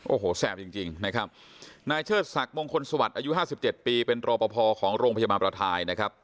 โอ้โหแสบจริงนะครับนายเชิดศักดิ์มงคลสวัสดิ์อายุ๕๗ปีเป็นรอปภของโรงพยาบาลประทายนะครับ